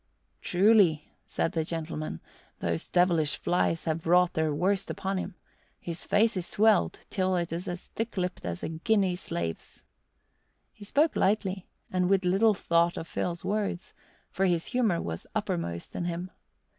"Truly," said the gentleman, "those devilish flies have wrought their worst upon him. His face is swelled till it is as thick lipped as a Guinea slave's." He spoke lightly and with little thought of Phil's words, for his humour was uppermost in him.